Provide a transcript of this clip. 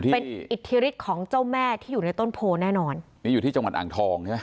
เป็นอิทธิฤทธิของเจ้าแม่ที่อยู่ในต้นโพแน่นอนนี่อยู่ที่จังหวัดอ่างทองใช่ไหม